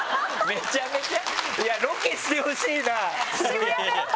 めちゃめちゃ。